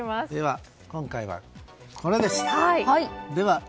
今回は、これです。